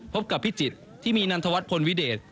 พบกับพิจิตรที่มีนันทวัฒนพลวิเดช